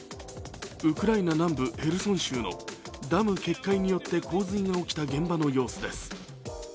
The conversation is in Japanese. ウクライナ南部ヘルソン州のダム決壊によって、洪水が起きた現場の様子です。